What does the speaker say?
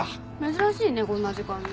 珍しいねこんな時間に。